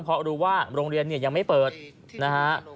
เพราะรู้ว่าโรงเรียนเนี่ยยังไม่เปิดนะฮะ